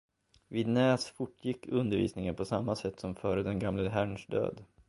Vid Nääs fortgick undervisningen på samma sätt som före den gamle herrns död.